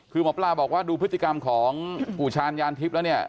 คือหมอปลาบอกว่าดูพฤติกรรมของปู่ชาญยานทิพย์แล้วเนี่ย